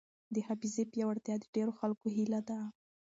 د حافظې پیاوړتیا د ډېرو خلکو هیله ده.